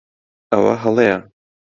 ئەوە ھەڵەیە.